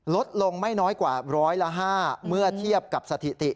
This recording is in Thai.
ลดลงไม่น้อยกว่าร้อยละ๕เมื่อเทียบกับสถิติ